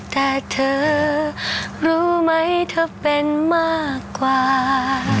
แต่เธอรู้ไหมเธอเป็นมากกว่า